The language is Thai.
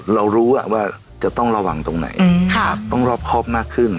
เรารู้ว่าจะต้องระวังตรงไหนต้องรอบครอบมากขึ้น